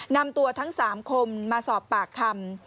นำตัวทั้ง๓คนมาสอบปากคำ